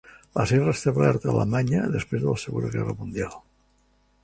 Va ser restablerta a Alemanya després de la Segona Guerra Mundial.